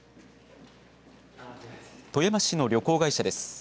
富山市の旅行会社です。